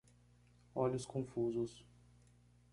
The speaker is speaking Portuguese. Olhos confusos